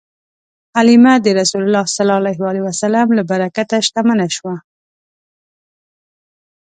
حلیمه د رسول الله ﷺ له برکته شتمنه شوه.